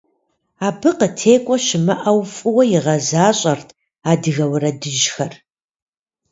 Абы къытекӏуэ щымыӏэу фӏыуэ игъэзащӏэрт адыгэ уэрэдыжьхэр.